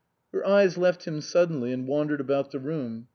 Her eyes left him suddenly and wandered about the room.